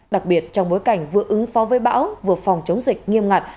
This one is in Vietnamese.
đặc biệt trong bối cảnh vừa ứng phó với bão vừa phòng chống dịch nghiêm ngặt